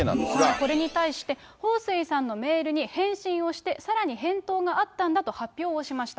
これに対して、彭帥さんのメールに返信をして、さらに返答があったんだと発表をしました。